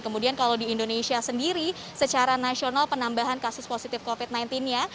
kemudian kalau di indonesia sendiri secara nasional penambahan kasus positif covid sembilan belas nya